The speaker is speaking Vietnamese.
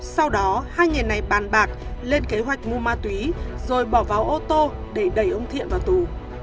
sau đó hai người này bàn bạc lên kế hoạch mua ma túy rồi bỏ vào ô tô để đẩy ông thiện vào tù